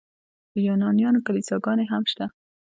د یونانیانو کلیساګانې هم شته.